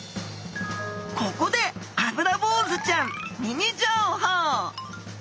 ここでアブラボウズちゃんミニ情報！